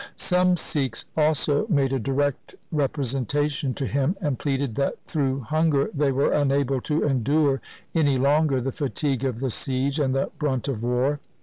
Some Sikhs also made a direct representation to him, and pleaded that through hunger they were unable to endure any longer the fatigue of the siege and the brunt of war.